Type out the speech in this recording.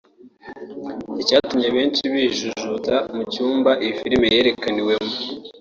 Icyatumye benshi bijujuta mu cyumba iyi filime yerekaniwemo